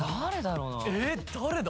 ええっ誰だ？